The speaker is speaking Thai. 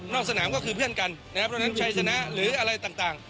สนามก็คือเพื่อนกันนะครับเพราะฉะนั้นชัยชนะหรืออะไรต่าง